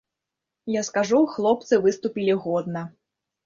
Я скажу, хлопцы выступілі годна!